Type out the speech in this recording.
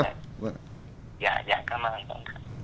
dạ dạ cảm ơn anh